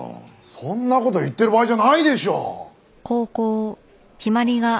そんな事言ってる場合じゃないでしょ！